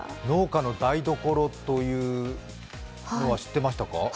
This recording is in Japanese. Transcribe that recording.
農家の台所というのは知ってましたか？